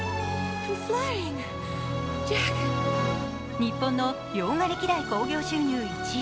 日本の洋画歴代興行収入１位。